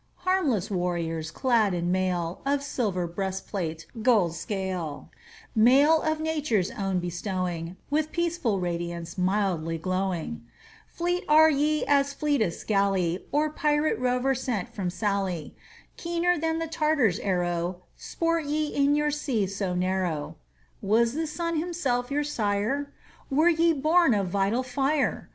Harmless warriors, clad in mail Of silver breastplate, golden scale; Mail of Nature's own bestowing, With peaceful radiance, mildly glowing Fleet are ye as fleetest galley Or pirate rover sent from Sallee; Keener than the Tartar's arrow, Sport ye in your sea so narrow. Was the sun himself your sire? Were ye born of vital fire?